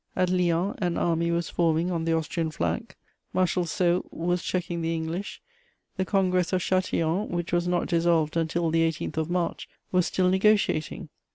At Lyons an army was forming on the Austrian flank; Marshal Soult was checking the English; the Congress of Châtillon, which was not dissolved until the 18th of March, was still negociating.